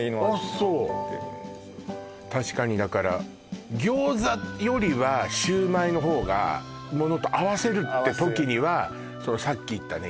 そう確かにだから餃子よりはシュウマイの方がものと合わせるって時には合わせそのさっき言ったね